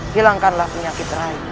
hilangkanlah penyakit terakhir